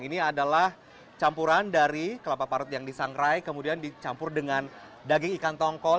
ini adalah campuran dari kelapa parut yang disangrai kemudian dicampur dengan daging ikan tongkol